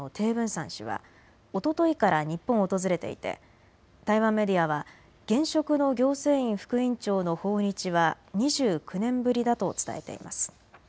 燦氏はおとといから日本を訪れていて台湾メディアは現職の行政院副院長の訪日は２９年ぶりだと伝えています。